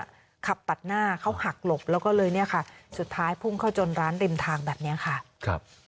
ขับตัดหน้าเขาหักหลบแล้วก็เลยเนี่ยค่ะสุดท้ายพุ่งเข้าจนร้านริมทางแบบนี้ค่ะครับ